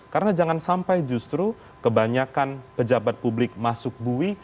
karena jangan sampai justru kebanyakan pejabat publik masuk buwi